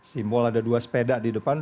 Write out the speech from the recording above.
simbol ada dua sepeda di depan